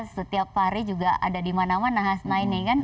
setiap hari juga ada dimanaman nahas naik nih kan